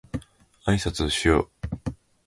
あいさつをしよう